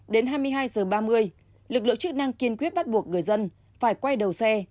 đến hai mươi hai h ba mươi lực lượng chức năng kiên quyết bắt buộc người dân phải quay đầu xe